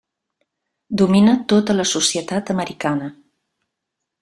Domina tota la societat americana.